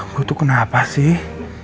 gua tuh kenapa sih